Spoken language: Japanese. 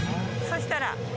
そうしたら。